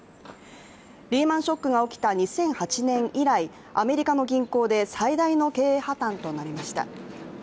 リーマン・ショックが起きた２００８年以来、アメリカの銀行で最大の経営破たんとなりました。